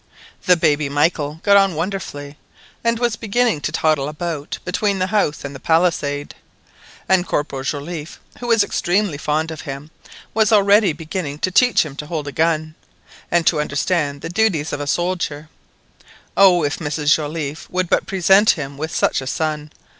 The baby Michael got on wonderfully; he was beginning to toddle about between the house and the palisade; and Corporal Joliffe, who was extremely fond of him, was already beginning to teach him to hold a gun, and to understand the first duties of a soldier. Oh, if Mrs Joliffe would but present him with such a son!